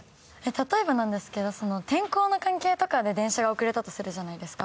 例えばなんですけど天候の関係とかで電車が遅れたとするじゃないですか。